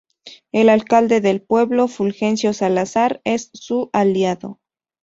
El alcalde del pueblo, Fulgencio Salazar, es su aliado.